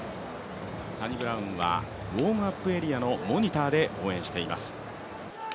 サニブラウンはウォームアップエリアのモニターで応援しています